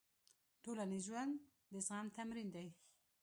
ټولنیز ژوند د زغم تمرین دی.